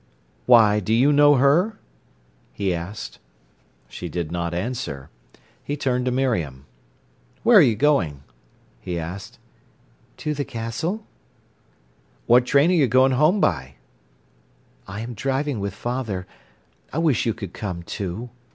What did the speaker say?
"Why, do you know her?" he asked. She did not answer. He turned to Miriam. "Where are you going?" he asked. "To the Castle." "What train are you going home by?" "I am driving with father. I wish you could come too.